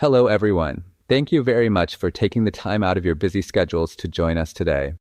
Hello everyone, thank you very much for taking the time out of your busy schedules to join us today.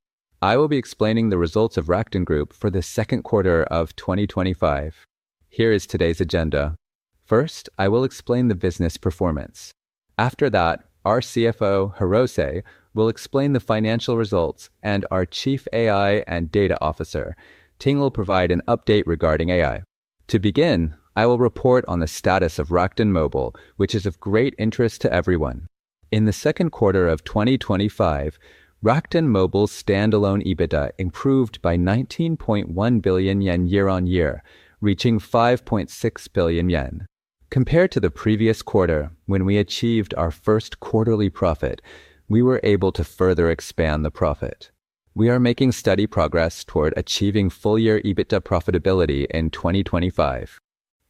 I will be explaining the results of Rakuten Group for the second quarter of 2025. Here is today's agenda. First, I will explain the business performance. After that, our CFO, Kenji Hirose, will explain the financial results, and our Chief AI and Data Officer, Ting Cai, will provide an update regarding AI. To begin, I will report on the status of Rakuten Mobile, which is of great interest to everyone. In the second quarter of 2025, Rakuten Mobile's standalone EBITDA improved by 19.1 billion yen year-on-year, reaching 5.6 billion yen. Compared to the previous quarter, when we achieved our first quarterly profit, we were able to further expand the profit. We are making steady progress toward achieving full-year EBITDA profitability in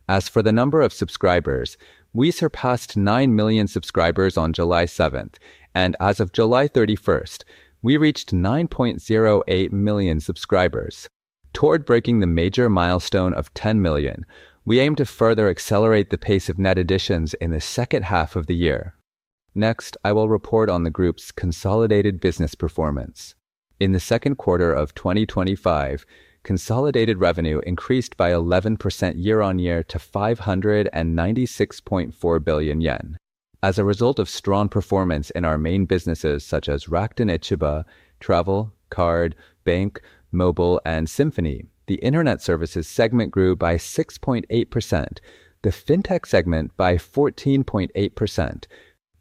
2025. As for the number of subscribers, we surpassed 9 million subscribers on July 7th, and as of July 31st, we reached 9.08 million subscribers. Toward breaking the major milestone of 10 million, we aim to further accelerate the pace of net additions in the second half of the year. Next, I will report on the group's consolidated business performance. In the second quarter of 2025, consolidated revenue increased by 11% year-on-year to 596.4 billion yen. As a result of strong performance in our main businesses such as Rakuten Ichiba, Rakuten Travel, Rakuten Card, Rakuten Bank, Rakuten Mobile, and Symphony, the Internet Services segment grew by 6.8%, the FinTech segment by 14.8%,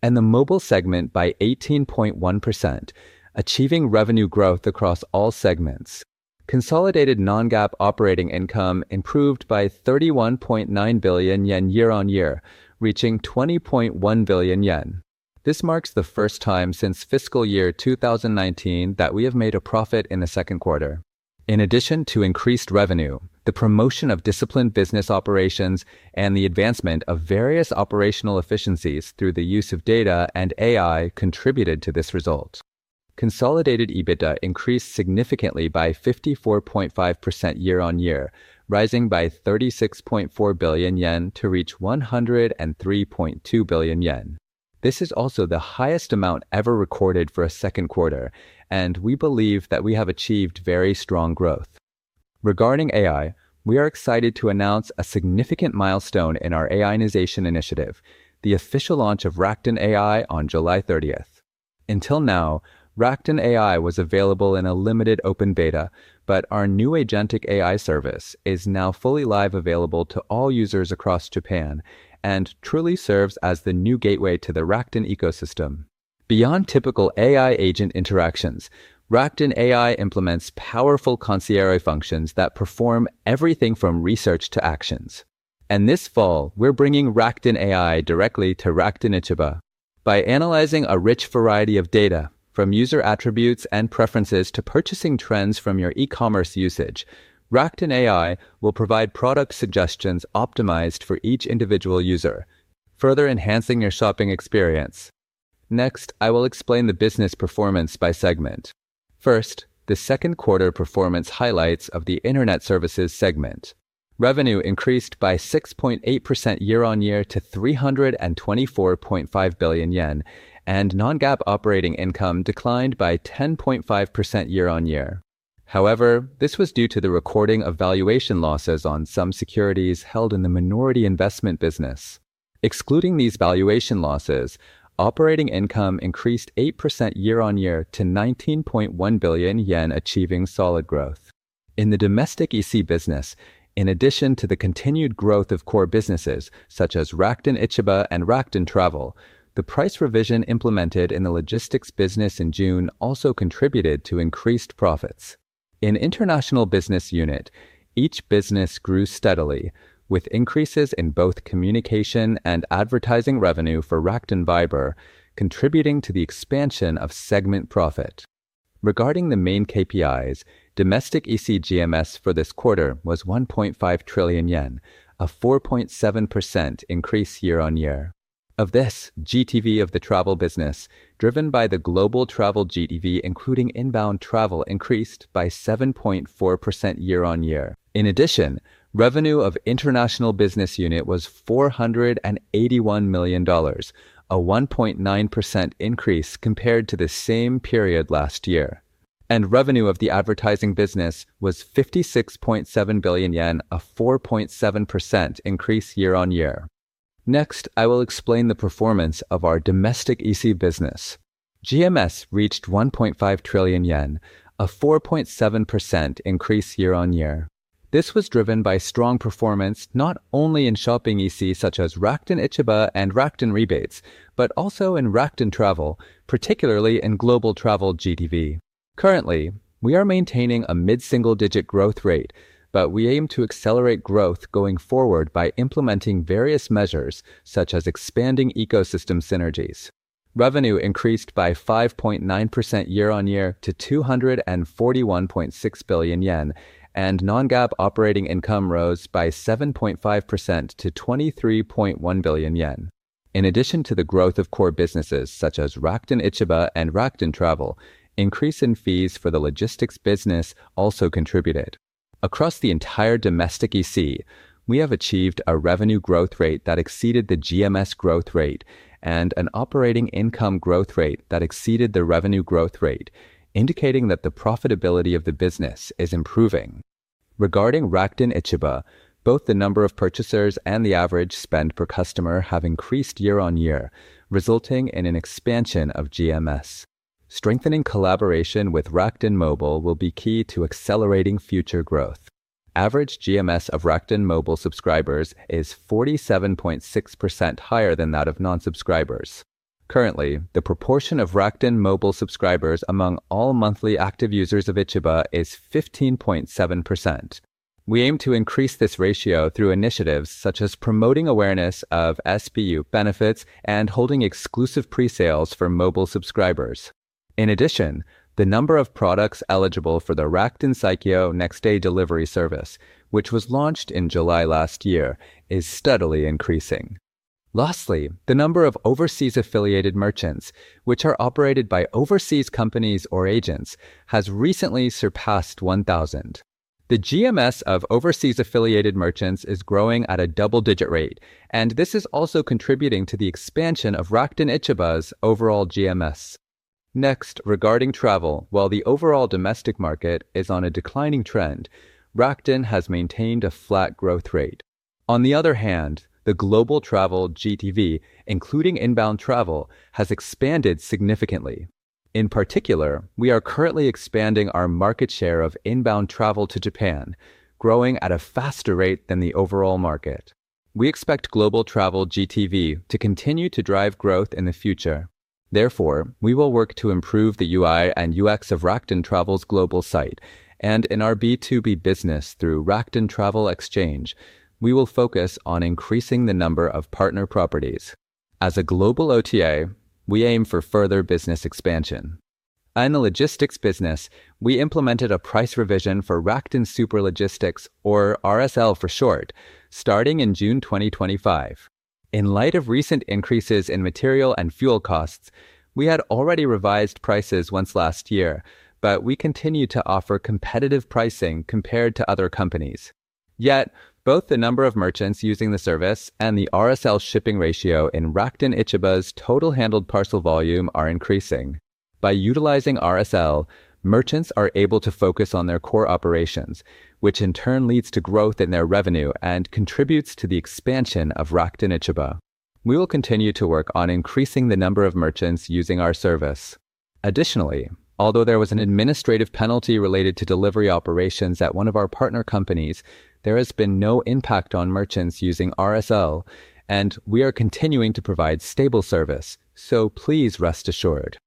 and the Mobile segment by 18.1%, achieving revenue growth across all segments. Consolidated non-GAAP operating income improved by 31.9 billion yen year-on-year, reaching 20.1 billion yen. This marks the first time since fiscal year 2019 that we have made a profit in the second quarter. In addition to increased revenue, the promotion of disciplined business operations and the advancement of various operational efficiencies through the use of data and AI contributed to this result. Consolidated EBITDA increased significantly by 54.5% year-on-year, rising by 36.4 billion yen to reach 103.2 billion yen. This is also the highest amount ever recorded for a second quarter, and we believe that we have achieved very strong growth. Regarding AI, we are excited to announce a significant milestone in our AI-nization initiative: the official launch of Rakuten AI on July 30th. Until now, Rakuten AI was available in a limited open beta, but our new Agentic AI service is now fully live, available to all users across Japan, and truly serves as the new gateway to the Rakuten ecosystem. Beyond typical AI agent interactions, Rakuten AI implements powerful concierge functions that perform everything from research to actions. This fall, we're bringing Rakuten AI directly to Rakuten Ichiba. By analyzing a rich variety of data, from user attributes and preferences to purchasing trends from your e-commerce usage, Rakuten AI will provide product suggestions optimized for each individual user, further enhancing your shopping experience. Next, I will explain the business performance by segment. First, the second quarter performance highlights of the Internet Services segment. Revenue increased by 6.8% year-on-year to 324.5 billion yen, and non-GAAP operating income declined by 10.5% year-on-year. However, this was due to the recording of valuation losses on some securities held in the minority investment business. Excluding these valuation losses, operating income increased 8% year-on-year to 19.1 billion yen, achieving solid growth. In the domestic EC business, in addition to the continued growth of core businesses such as Rakuten Ichiba and Rakuten Travel, the price revision implemented in the logistics business in June also contributed to increased profits. In the International Business Unit, each business grew steadily, with increases in both communication and advertising revenue for Rakuten Viber contributing to the expansion of segment profit. Regarding the main KPIs, domestic EC GMS for this quarter was 1.5 trillion yen, a 4.7% increase year-on-year. Of this, GTV of the travel business, driven by the global travel GTV including inbound travel, increased by 7.4% year-on-year. In addition, revenue of the International Business Unit was $481 million, a 1.9% increase compared to the same period last year. Revenue of the advertising business was 56.7 billion yen, a 4.7% increase year-on-year. Next, I will explain the performance of our domestic EC business. GMS reached 1.5 trillion yen, a 4.7% increase year-on-year. This was driven by strong performance not only in shopping EC such as Rakuten Ichiba and Rakuten Rewards, but also in Rakuten Travel, particularly in global travel GTV. Currently, we are maintaining a mid-single-digit growth rate, but we aim to accelerate growth going forward by implementing various measures such as expanding ecosystem synergies. Revenue increased by 5.9% year-on-year to 241.6 billion yen, and non-GAAP operating income rose by 7.5% to 23.1 billion yen. In addition to the growth of core businesses such as Rakuten Ichiba and Rakuten Travel, increase in fees for the logistics business also contributed. Across the entire domestic EC, we have achieved a revenue growth rate that exceeded the GMS growth rate and an operating income growth rate that exceeded the revenue growth rate, indicating that the profitability of the business is improving. Regarding Rakuten Ichiba, both the number of purchasers and the average spend per customer have increased year-on-year, resulting in an expansion of GMS. Strengthening collaboration with Rakuten Mobile will be key to accelerating future growth. Average GMS of Rakuten Mobile subscribers is 47.6% higher than that of non-subscribers. Currently, the proportion of Rakuten Mobile subscribers among all monthly active users of Ichiba is 15.7%. We aim to increase this ratio through initiatives such as promoting awareness of SPU benefits and holding exclusive presales for mobile subscribers. In addition, the number of products eligible for the Rakuten SAIKYO Next Day delivery service, which was launched in July last year, is steadily increasing. Lastly, the number of overseas affiliated merchants, which are operated by overseas companies or agents, has recently surpassed 1,000. The GMS of overseas affiliated merchants is growing at a double-digit rate, and this is also contributing to the expansion of Rakuten Ichiba's overall GMS. Next, regarding travel, while the overall domestic market is on a declining trend, Rakuten has maintained a flat growth rate. On the other hand, the global travel GTV, including inbound travel, has expanded significantly. In particular, we are currently expanding our market share of inbound travel to Japan, growing at a faster rate than the overall market. We expect global travel GTV to continue to drive growth in the future. Therefore, we will work to improve the UI and UX of Rakuten Travel's global site, and in our B2B business through Rakuten Travel Exchange, we will focus on increasing the number of partner properties. As a global OTA, we aim for further business expansion. In the logistics business, we implemented a price revision for Rakuten Super Logistics, or RSL for short, starting in June 2025. In light of recent increases in material and fuel costs, we had already revised prices once last year, but we continue to offer competitive pricing compared to other companies. Yet, both the number of merchants using the service and the RSL shipping ratio in Rakuten Ichiba's total handled parcel volume are increasing. By utilizing RSL, merchants are able to focus on their core operations, which in turn leads to growth in their revenue and contributes to the expansion of Rakuten Ichiba. We will continue to work on increasing the number of merchants using our service. Additionally, although there was an administrative penalty related to delivery operations at one of our partner companies, there has been no impact on merchants using RSL, and we are continuing to provide stable service, so please rest assured.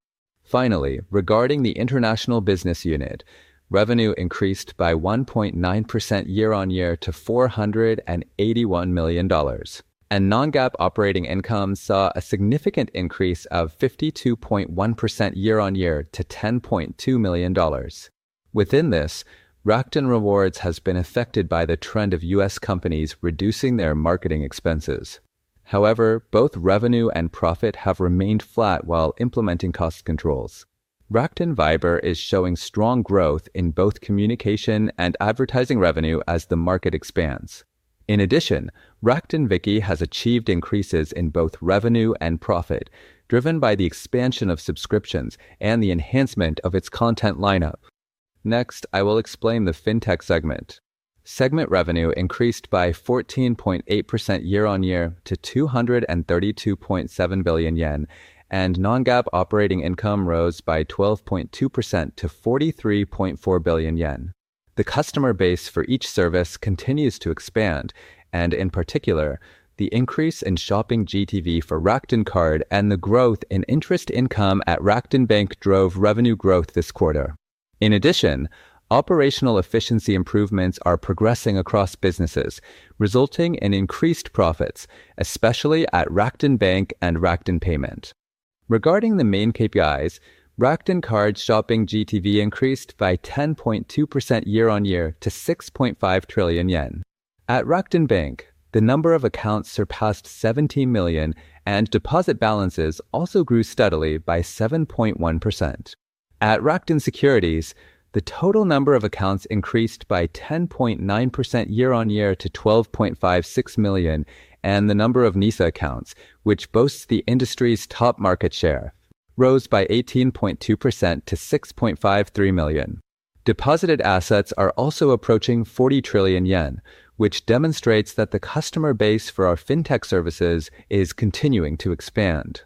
Finally, regarding the International Business Unit, revenue increased by 1.9% year-on-year to $481 million, and non-GAAP operating income saw a significant increase of 52.1% year-on-year to $10.2 million. Within this, Rakuten Rewards has been affected by the trend of U.S. companies reducing their marketing expenses. However, both revenue and profit have remained flat while implementing cost controls. Rakuten Viber is showing strong growth in both communication and advertising revenue as the market expands. In addition, Rakuten Viki has achieved increases in both revenue and profit, driven by the expansion of subscriptions and the enhancement of its content lineup. Next, I will explain the FinTech segment. Segment revenue increased by 14.8% year-on-year to 232.7 billion yen, and non-GAAP operating income rose by 12.2% to 43.4 billion yen. The customer base for each service continues to expand, and in particular, the increase in shopping GTV for Rakuten Card and the growth in interest income at Rakuten Bank drove revenue growth this quarter. In addition, operational efficiency improvements are progressing across businesses, resulting in increased profits, especially at Rakuten Bank and Rakuten Payments. Regarding the main KPIs, Rakuten Card shopping GTV increased by 10.2% year-on-year to 6.5 trillion yen. At Rakuten Bank, the number of accounts surpassed 17 million, and deposit balances also grew steadily by 7.1%. At Rakuten Securities, the total number of accounts increased by 10.9% year-on-year to 12.56 million, and the number of NISA accounts, which boasts the industry's top market share, rose by 18.2% to 6.53 million. Deposited assets are also approaching 40 trillion yen, which demonstrates that the customer base for our FinTech services is continuing to expand.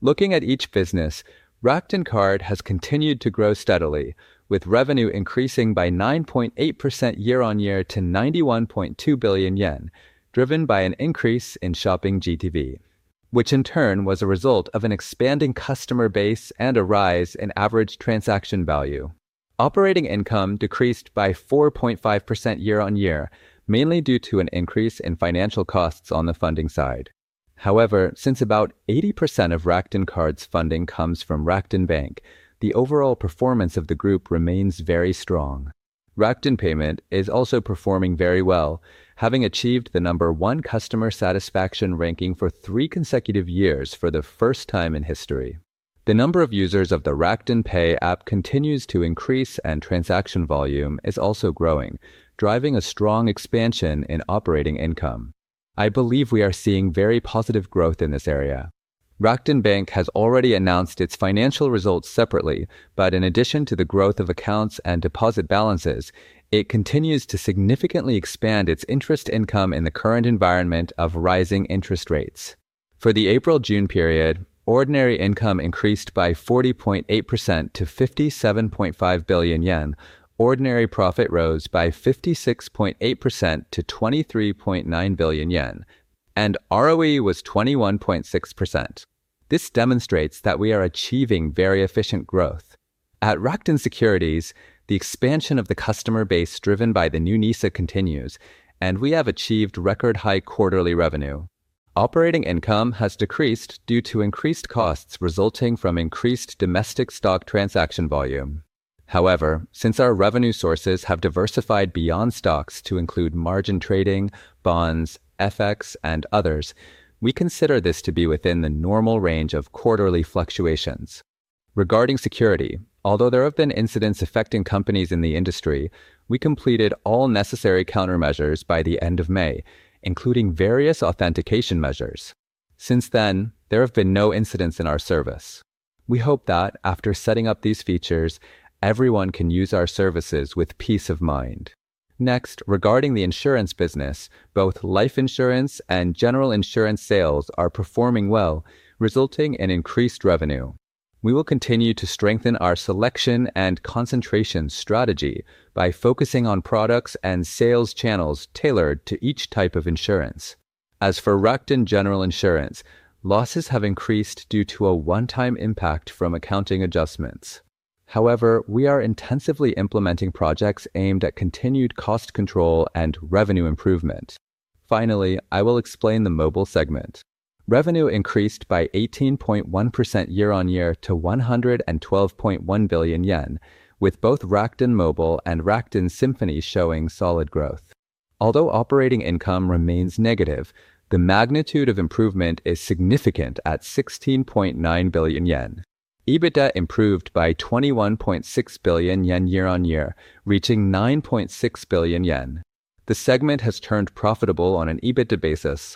Looking at each business, Rakuten Card has continued to grow steadily, with revenue increasing by 9.8% year-on-year to 91.2 billion yen, driven by an increase in shopping GTV, which in turn was a result of an expanding customer base and a rise in average transaction value. Operating income decreased by 4.5% year-on-year, mainly due to an increase in financial costs on the funding side. However, since about 80% of Rakuten Card's funding comes from Rakuten Bank, the overall performance of the group remains very strong. Rakuten Payments is also performing very well, having achieved the No. 1 customer satisfaction ranking for three consecutive years for the first time in history. The number of users of the Rakuten Pay app continues to increase, and transaction volume is also growing, driving a strong expansion in operating income. I believe we are seeing very positive growth in this area. Rakuten Bank has already announced its financial results separately, but in addition to the growth of accounts and deposit balances, it continues to significantly expand its interest income in the current environment of rising interest rates. For the April-June period, ordinary income increased by 40.8% to 57.5 billion yen, ordinary profit rose by 56.8% to 23.9 billion yen, and ROE was 21.6%. This demonstrates that we are achieving very efficient growth. At Rakuten Securities, the expansion of the customer base driven by the new NISA continues, and we have achieved record-high quarterly revenue. Operating income has decreased due to increased costs resulting from increased domestic stock transaction volume. However, since our revenue sources have diversified beyond stocks to include margin trading, bonds, FX, and others, we consider this to be within the normal range of quarterly fluctuations. Regarding security, although there have been incidents affecting companies in the industry, we completed all necessary countermeasures by the end of May, including various authentication measures. Since then, there have been no incidents in our service. We hope that, after setting up these features, everyone can use our services with peace of mind. Next, regarding the insurance business, both life insurance and general insurance sales are performing well, resulting in increased revenue. We will continue to strengthen our selection and concentration strategy by focusing on products and sales channels tailored to each type of insurance. As for Rakuten General Insurance, losses have increased due to a one-time impact from accounting adjustments. However, we are intensively implementing projects aimed at continued cost control and revenue improvement. Finally, I will explain the mobile segment. Revenue increased by 18.1% year-on-year to 112.1 billion yen, with both Rakuten Mobile and Rakuten Symphony showing solid growth. Although operating income remains negative, the magnitude of improvement is significant at 16.9 billion yen. EBITDA improved by 21.6 billion yen year-on-year, reaching 9.6 billion yen. The segment has turned profitable on an EBITDA basis.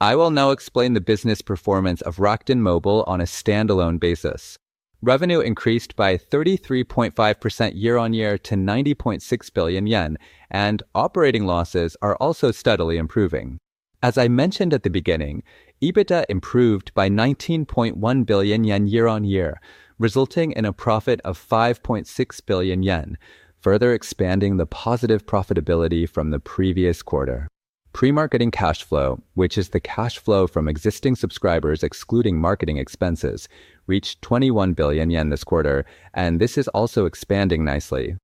I will now explain the business performance of Rakuten Mobile on a standalone basis. Revenue increased by 33.5% year-on-year to 90.6 billion yen, and operating losses are also steadily improving. As I mentioned at the beginning, EBITDA improved by 19.1 billion yen year-on-year, resulting in a profit of 5.6 billion yen, further expanding the positive profitability from the previous quarter. Pre-marketing cash flow, which is the cash flow from existing subscribers excluding marketing expenses, reached ¥21 billion this quarter, and this is also expanding nicely.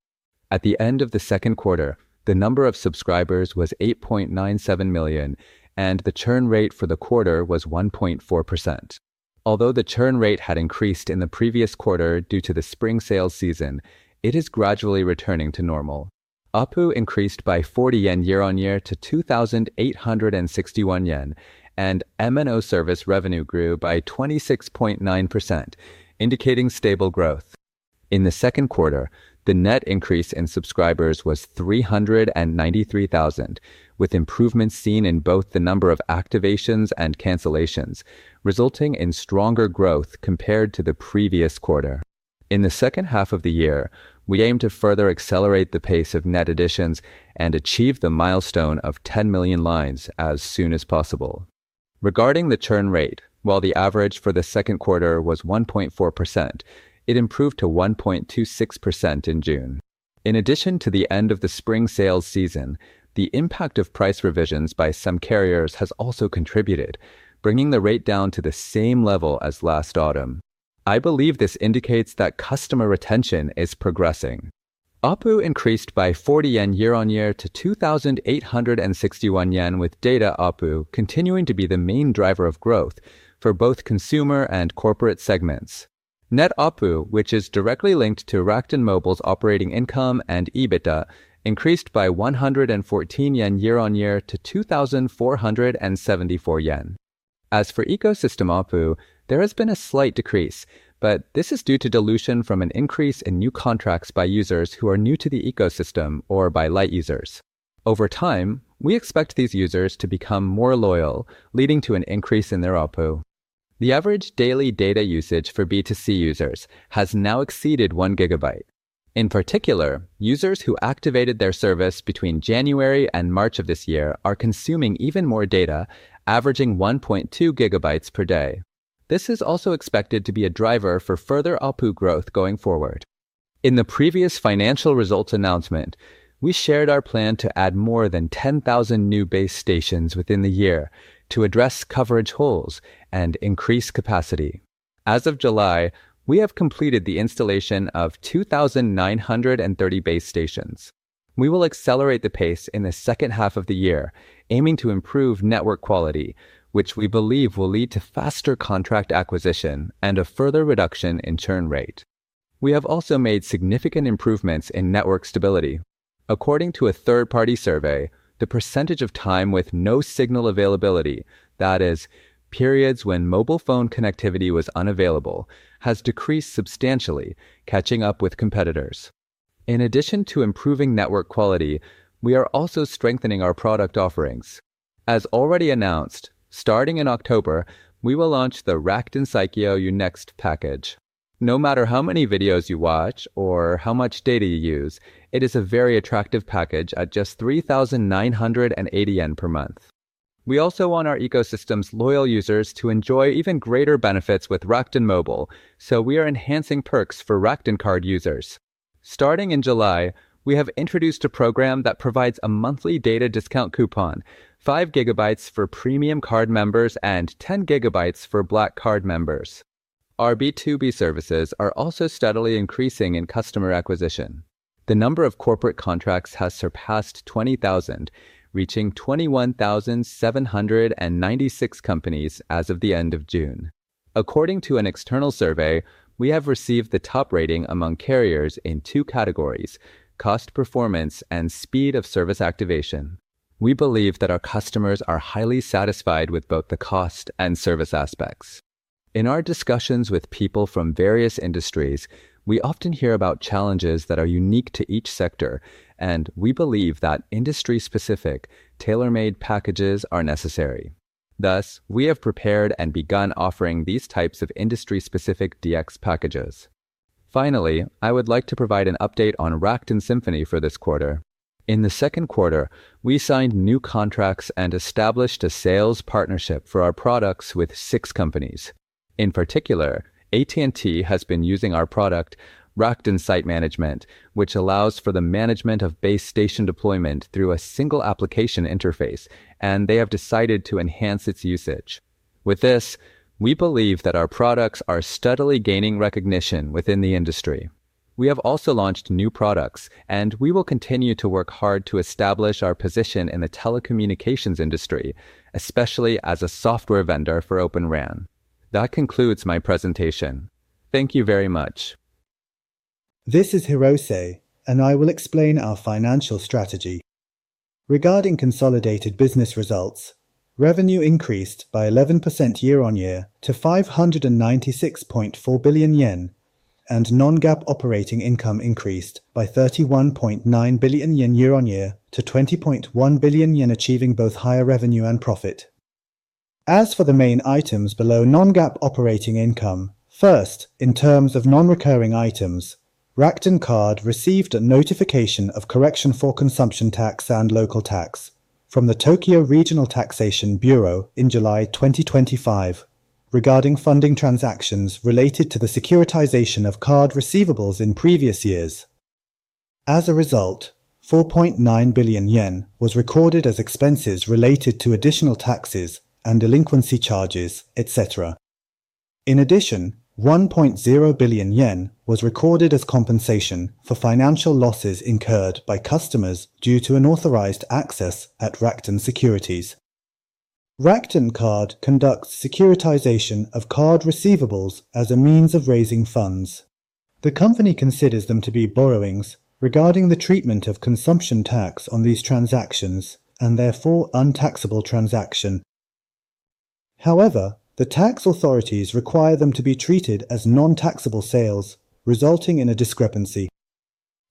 At the end of the second quarter, the number of subscribers was 8.97 million, and the churn rate for the quarter was 1.4%. Although the churn rate had increased in the previous quarter due to the spring sales season, it is gradually returning to normal. ARPU increased by 40 yen year-on-year to 2,861 yen, and M&O service revenue grew by 26.9%, indicating stable growth. In the second quarter, the net increase in subscribers was 393,000, with improvements seen in both the number of activations and cancellations, resulting in stronger growth compared to the previous quarter. In the second half of the year, we aim to further accelerate the pace of net additions and achieve the milestone of 10 million lines as soon as possible. Regarding the churn rate, while the average for the second quarter was 1.4%, it improved to 1.26% in June. In addition to the end of the spring sales season, the impact of price revisions by some carriers has also contributed, bringing the rate down to the same level as last autumn. I believe this indicates that customer retention is progressing. ARPU increased by 40 yen year-on-year to 2,861 yen, with data ARPU continuing to be the main driver of growth for both consumer and corporate segments. Net ARPU, which is directly linked to Rakuten Mobile's operating income and EBITDA, increased by 114 yen year-on-year to 2,474 yen. As for ecosystem ARPU, there has been a slight decrease, but this is due to dilution from an increase in new contracts by users who are new to the ecosystem or by light users. Over time, we expect these users to become more loyal, leading to an increase in their ARPU. The average daily data usage for B2C users has now exceeded 1 GB. In particular, users who activated their service between January and March of this year are consuming even more data, averaging 1.2 GB per day. This is also expected to be a driver for further ARPU growth going forward. In the previous financial results announcement, we shared our plan to add more than 10,000 new base stations within the year to address coverage holes and increase capacity. As of July, we have completed the installation of 2,930 base stations. We will accelerate the pace in the second half of the year, aiming to improve network quality, which we believe will lead to faster contract acquisition and a further reduction in churn rate. We have also made significant improvements in network stability. According to a third-party survey, the percentage of time with no signal availability, that is, periods when mobile phone connectivity was unavailable, has decreased substantially, catching up with competitors. In addition to improving network quality, we are also strengthening our product offerings. As already announced, starting in October, we will launch the Rakuten SAIKYO U-NEXT package. No matter how many videos you watch or how much data you use, it is a very attractive package at just 3,980 yen per month. We also want our ecosystem's loyal users to enjoy even greater benefits with Rakuten Mobile, so we are enhancing perks for Rakuten Card users. Starting in July, we have introduced a program that provides a monthly data discount coupon: 5 GB for Premium Card members and 10 GB for Black Card members. Our B2B services are also steadily increasing in customer acquisition. The number of corporate contracts has surpassed 20,000, reaching 21,796 companies as of the end of June. According to an external survey, we have received the top rating among carriers in two categories: cost performance and speed of service activation. We believe that our customers are highly satisfied with both the cost and service aspects. In our discussions with people from various industries, we often hear about challenges that are unique to each sector, and we believe that industry-specific, tailor-made packages are necessary. Thus, we have prepared and begun offering these types of industry-specific DX packages. Finally, I would like to provide an update on Rakuten Symphony for this quarter. In the second quarter, we signed new contracts and established a sales partnership for our products with six companies. In particular, AT&T has been using our product, Rakuten Site Management, which allows for the management of base station deployment through a single application interface, and they have decided to enhance its usage. With this, we believe that our products are steadily gaining recognition within the industry. We have also launched new products, and we will continue to work hard to establish our position in the telecommunications industry, especially as a software vendor for Open RAN. That concludes my presentation. Thank you very much. This is Kenji Hirose, and I will explain our financial strategy. Regarding consolidated business results, revenue increased by 11% year-on-year to 596.4 billion yen, and non-GAAP operating income increased by 31.9 billion yen year-on-year to 20.1 billion yen, achieving both higher revenue and profit. As for the main items below non-GAAP operating income, first, in terms of non-recurring items, Rakuten Card received a notification of correction for consumption tax and local tax from the Tokyo Regional Taxation Bureau in July 2025 regarding funding transactions related to the securitization of card receivables in previous years. As a result, 4.9 billion yen was recorded as expenses related to additional taxes and delinquency charges, etc. In addition, 1.0 billion yen was recorded as compensation for financial losses incurred by customers due to unauthorized access at Rakuten Securities. Rakuten Card conducts securitization of card receivables as a means of raising funds. The company considers them to be borrowings regarding the treatment of consumption tax on these transactions and therefore untaxable transactions. However, the tax authorities require them to be treated as non-taxable sales, resulting in a discrepancy.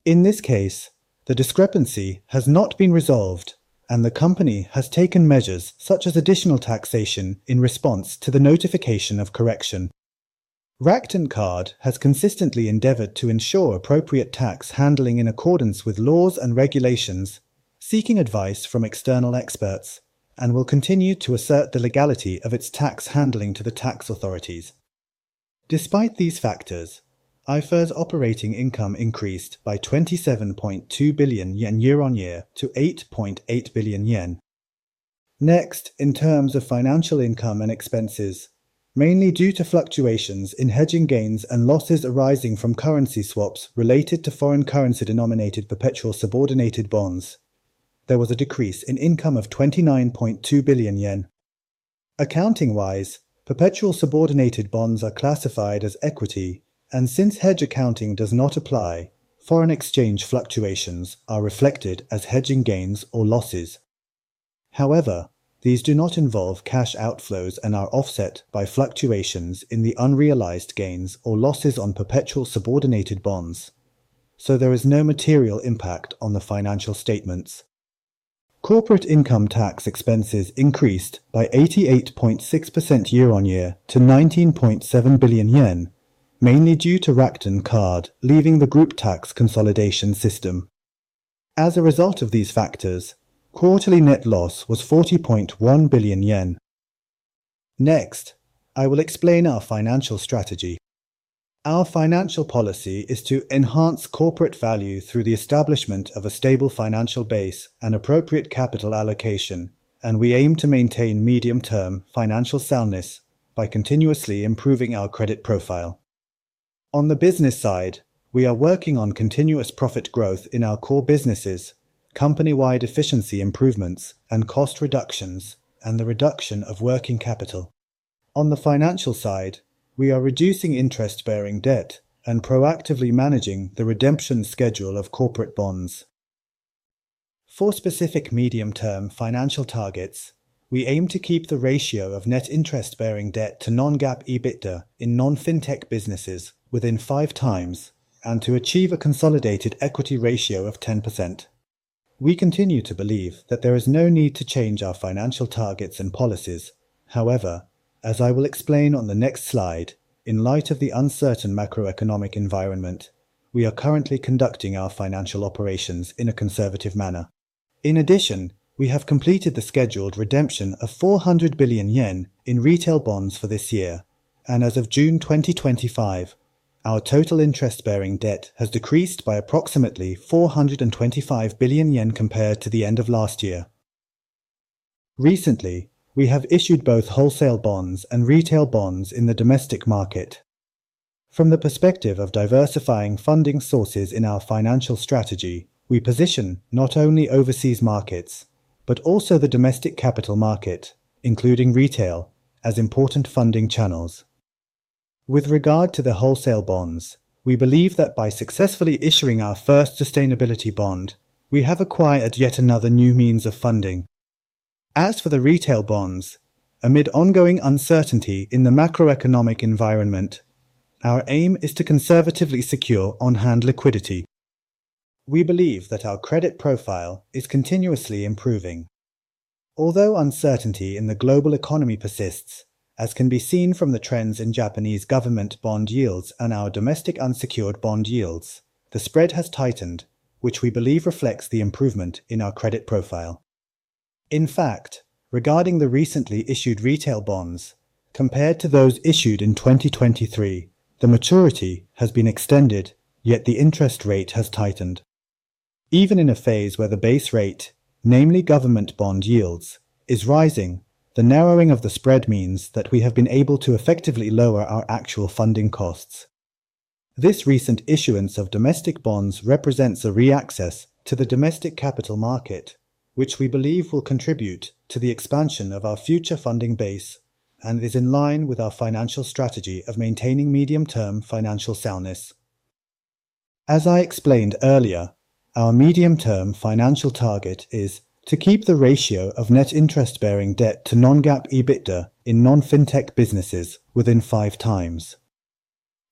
In this case, the discrepancy has not been resolved, and the company has taken measures such as additional taxation in response to the notification of correction. Rakuten Card has consistently endeavored to ensure appropriate tax handling in accordance with laws and regulations, seeking advice from external experts, and will continue to assert the legality of its tax handling to the tax authorities. Despite these factors, IFRS operating income increased by 27.2 billion yen year-on-year to 8.8 billion yen. Next, in terms of financial income and expenses, mainly due to fluctuations in hedging gains and losses arising from currency swaps related to foreign currency denominated perpetual subordinated bonds, there was a decrease in income of 29.2 billion yen. Accounting-wise, perpetual subordinated bonds are classified as equity, and since hedge accounting does not apply, foreign exchange fluctuations are reflected as hedging gains or losses. However, these do not involve cash outflows and are offset by fluctuations in the unrealized gains or losses on perpetual subordinated bonds, so there is no material impact on the financial statements. Corporate income tax expenses increased by 88.6% year-on-year to 19.7 billion yen, mainly due to Rakuten Card leaving the group tax consolidation system. As a result of these factors, quarterly net loss was 40.1 billion yen. Next, I will explain our financial strategy. Our financial policy is to enhance corporate value through the establishment of a stable financial base and appropriate capital allocation, and we aim to maintain medium-term financial soundness by continuously improving our credit profile. On the business side, we are working on continuous profit growth in our core businesses, company-wide efficiency improvements and cost reductions, and the reduction of working capital. On the financial side, we are reducing interest-bearing debt and proactively managing the redemption schedule of corporate bonds. For specific medium-term financial targets, we aim to keep the ratio of net interest-bearing debt to non-GAAP EBITDA in non-Fintech businesses within five times and to achieve a consolidated equity ratio of 10%. We continue to believe that there is no need to change our financial targets and policies. However, as I will explain on the next slide, in light of the uncertain macroeconomic environment, we are currently conducting our financial operations in a conservative manner. In addition, we have completed the scheduled redemption of 400 billion yen in retail bonds for this year, and as of June 2025, our total interest-bearing debt has decreased by approximately 425 billion yen compared to the end of last year. Recently, we have issued both wholesale bonds and retail bonds in the domestic market. From the perspective of diversifying funding sources in our financial strategy, we position not only overseas markets but also the domestic capital market, including retail, as important funding channels. With regard to the wholesale bonds, we believe that by successfully issuing our first sustainability bond, we have acquired yet another new means of funding. As for the retail bonds, amid ongoing uncertainty in the macroeconomic environment, our aim is to conservatively secure on-hand liquidity. We believe that our credit profile is continuously improving. Although uncertainty in the global economy persists, as can be seen from the trends in Japanese government bond yields and our domestic unsecured bond yields, the spread has tightened, which we believe reflects the improvement in our credit profile. In fact, regarding the recently issued retail bonds, compared to those issued in 2023, the maturity has been extended, yet the interest rate has tightened. Even in a phase where the base rate, namely government bond yields, is rising, the narrowing of the spread means that we have been able to effectively lower our actual funding costs. This recent issuance of domestic bonds represents a re-access to the domestic capital market, which we believe will contribute to the expansion of our future funding base and is in line with our financial strategy of maintaining medium-term financial soundness. As I explained earlier, our medium-term financial target is to keep the ratio of net interest-bearing debt to non-GAAP EBITDA in non-Fintech businesses within 5x.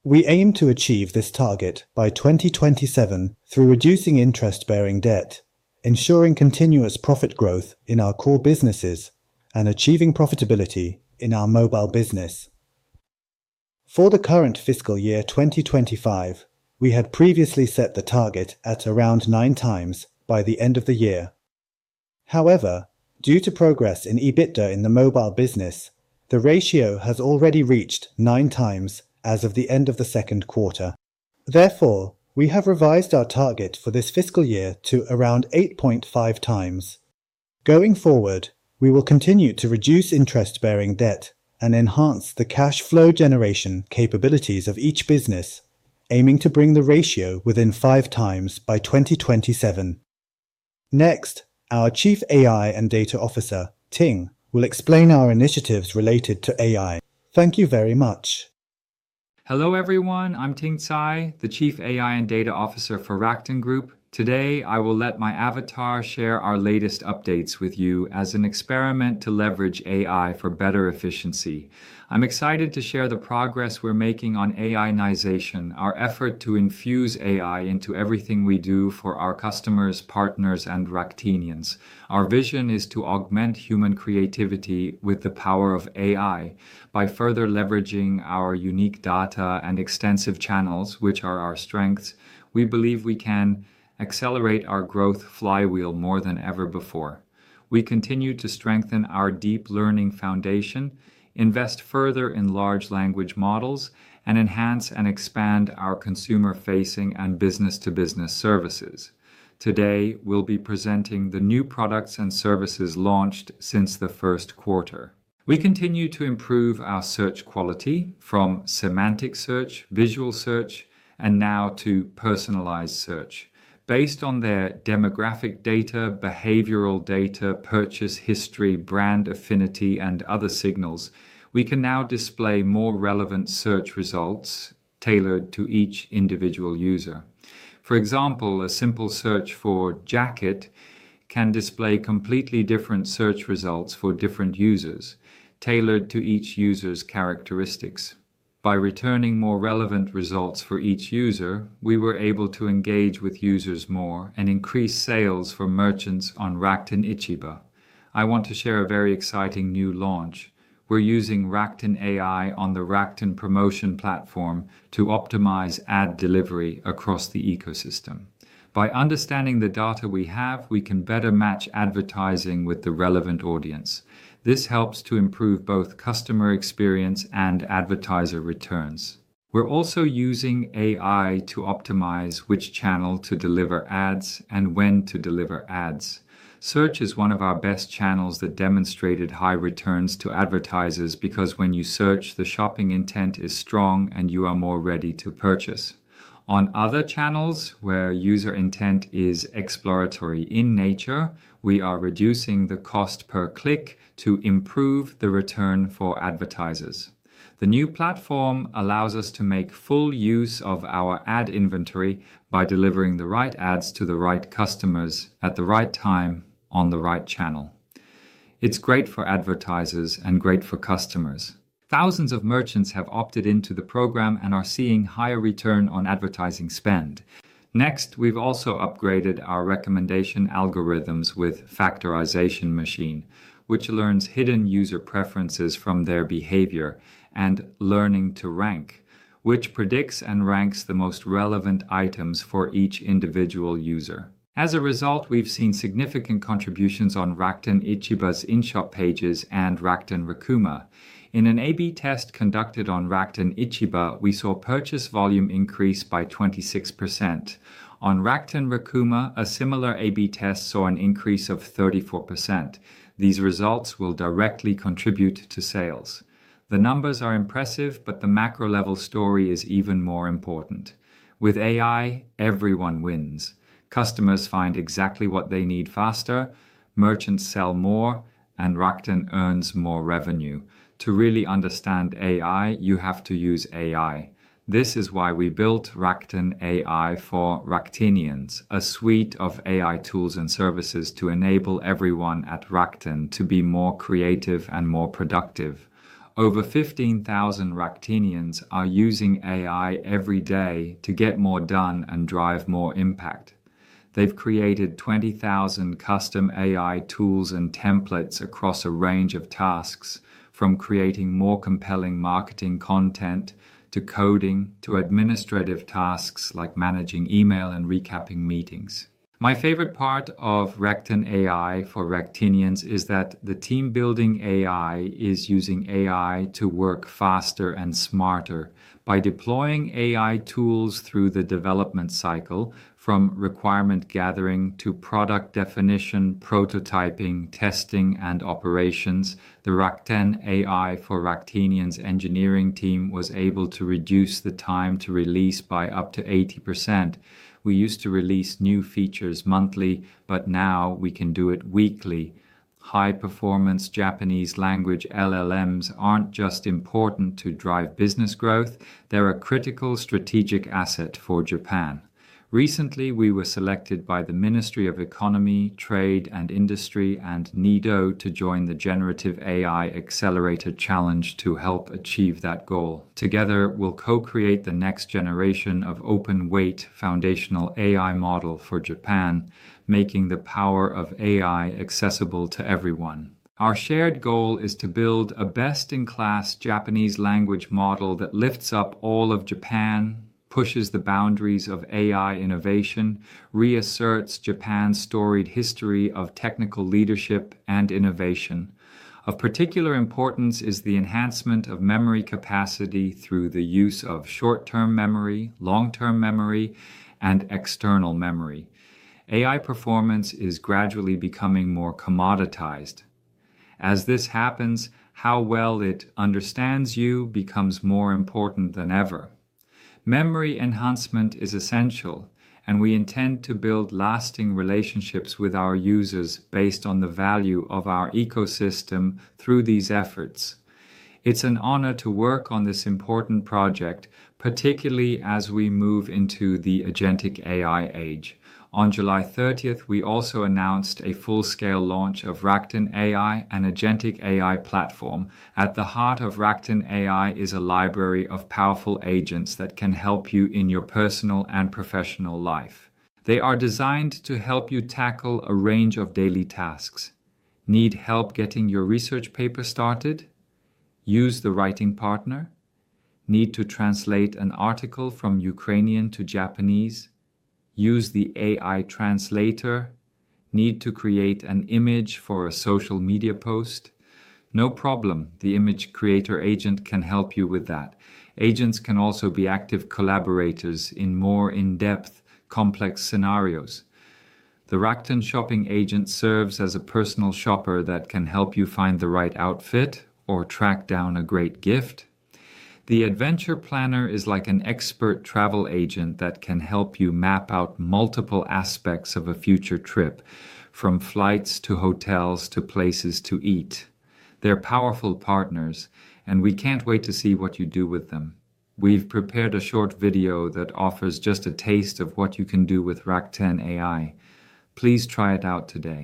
We aim to achieve this target by 2027 through reducing interest-bearing debt, ensuring continuous profit growth in our core businesses, and achieving profitability in our mobile business. For the current fiscal year 2025, we had previously set the target at around 9x by the end of the year. However, due to progress in EBITDA in the mobile business, the ratio has already reached 9x as of the end of the second quarter. Therefore, we have revised our target for this fiscal year to around 8.5x. Going forward, we will continue to reduce interest-bearing debt and enhance the cash flow generation capabilities of each business, aiming to bring the ratio within 5x by 2027. Next, our Chief AI and Data Officer, Ting Cai, will explain our initiatives related to AI. Thank you very much. Hello everyone, I'm Ting Cai, the Chief AI and Data Officer for Rakuten Group. Today, I will let my avatar share our latest updates with you as an experiment to leverage AI for better efficiency. I'm excited to share the progress we're making on AI-nization, our effort to infuse AI into everything we do for our customers, partners, and Rakutenians. Our vision is to augment human creativity with the power of AI. By further leveraging our unique data and extensive channels, which are our strengths, we believe we can accelerate our growth flywheel more than ever before. We continue to strengthen our deep learning foundation, invest further in large language models, and enhance and expand our consumer-facing and business-to-business services. Today, we'll be presenting the new products and services launched since the first quarter. We continue to improve our search quality, from semantic search, visual search, and now to personalized search. Based on their demographic data, behavioral data, purchase history, brand affinity, and other signals, we can now display more relevant search results tailored to each individual user. For example, a simple search for "jacket" can display completely different search results for different users, tailored to each user's characteristics. By returning more relevant results for each user, we were able to engage with users more and increase sales for merchants on Rakuten Ichiba. I want to share a very exciting new launch. We're using Rakuten AI on the Rakuten Promotion platform to optimize ad delivery across the ecosystem. By understanding the data we have, we can better match advertising with the relevant audience. This helps to improve both customer experience and advertiser returns. We're also using AI to optimize which channel to deliver ads and when to deliver ads. Search is one of our best channels that demonstrated high returns to advertisers because when you search, the shopping intent is strong and you are more ready to purchase. On other channels, where user intent is exploratory in nature, we are reducing the cost per click to improve the return for advertisers. The new platform allows us to make full use of our ad inventory by delivering the right ads to the right customers at the right time on the right channel. It's great for advertisers and great for customers. Thousands of merchants have opted into the program and are seeing higher return on advertising spend. Next, we've also upgraded our recommendation algorithms with Factorization Machine, which learns hidden user preferences from their behavior and learning to rank, which predicts and ranks the most relevant items for each individual user. As a result, we've seen significant contributions on Rakuten Ichiba's in-shop pages and Rakuten Rakuma. In an A/B test conducted on Rakuten Ichiba, we saw purchase volume increase by 26%. On Rakuten Rakuma, a similar A/B test saw an increase of 34%. These results will directly contribute to sales. The numbers are impressive, but the macro-level story is even more important. With AI, everyone wins. Customers find exactly what they need faster, merchants sell more, and Rakuten earns more revenue. To really understand AI, you have to use AI. This is why we built Rakuten AI for Rakutenians, a suite of AI tools and services to enable everyone at Rakuten to be more creative and more productive. Over 15,000 Rakutenians are using AI every day to get more done and drive more impact. They've created 20,000 custom AI tools and templates across a range of tasks, from creating more compelling marketing content to coding to administrative tasks like managing email and recapping meetings. My favorite part of Rakuten AI for Rakutenians is that the team-building AI is using AI to work faster and smarter. By deploying AI tools through the development cycle, from requirement gathering to product definition, prototyping, testing, and operations, the Rakuten AI for Rakutenians engineering team was able to reduce the time to release by up to 80%. We used to release new features monthly, but now we can do it weekly. High-performance Japanese language LLMs aren't just important to drive business growth, they're a critical strategic asset for Japan. Recently, we were selected by the Ministry of Economy, Trade and Industry and NEDO to join the Generative AI Accelerator Challenge to help achieve that goal. Together, we'll co-create the next generation of open weight foundational AI model for Japan, making the power of AI accessible to everyone. Our shared goal is to build a best-in-class Japanese language model that lifts up all of Japan, pushes the boundaries of AI innovation, and reasserts Japan's storied history of technical leadership and innovation. Of particular importance is the enhancement of memory capacity through the use of short-term memory, long-term memory, and external memory. AI performance is gradually becoming more commoditized. As this happens, how well it understands you becomes more important than ever. Memory enhancement is essential, and we intend to build lasting relationships with our users based on the value of our ecosystem through these efforts. It's an honor to work on this important project, particularly as we move into the Agentic AI age. On July 30, we also announced a full-scale launch of Rakuten AI, an Agentic AI platform. At the heart of Rakuten AI is a library of powerful agents that can help you in your personal and professional life. They are designed to help you tackle a range of daily tasks. Need help getting your research paper started? Use the writing partner. Need to translate an article from Ukrainian to Japanese? Use the AI translator. Need to create an image for a social media post? No problem, the image creator agent can help you with that. Agents can also be active collaborators in more in-depth, complex scenarios. The Rakuten Shopping Agent serves as a personal shopper that can help you find the right outfit or track down a great gift. The Adventure Planner is like an expert travel agent that can help you map out multiple aspects of a future trip, from flights to hotels to places to eat. They're powerful partners, and we can't wait to see what you do with them. We've prepared a short video that offers just a taste of what you can do with Rakuten AI. Please try it out today.